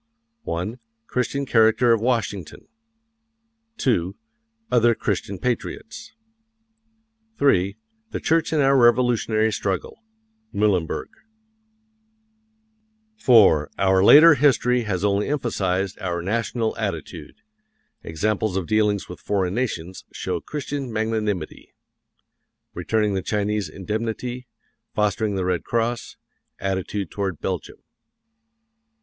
1. Christian character of Washington. 2. Other Christian patriots. 3. The Church in our Revolutionary struggle. Muhlenberg. IV. OUR LATER HISTORY HAS ONLY EMPHASIZED OUR NATIONAL ATTITUDE. Examples of dealings with foreign nations show Christian magnanimity. Returning the Chinese Indemnity; fostering the Red Cross; attitude toward Belgium.